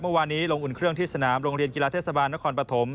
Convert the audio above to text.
เมื่อวานนี้ลงอุ่นเครื่องที่สนามโรงเรียนกีฬาเทศบาลนครปฐม